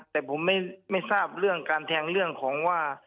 แต่ผมไม่ทราบเรื่องการแทงเรื่องของว่า